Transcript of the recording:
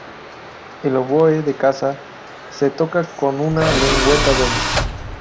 El oboe de caza se toca con una lengüeta doble.